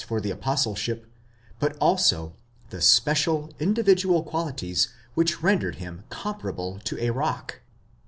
313 for the apostleship, but also the special, individual qualities which rendered him comparable to a rock.